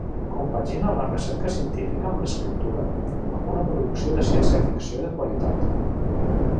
Compagina la recerca científica amb l'escriptura, amb una producció de ciència-ficció de qualitat.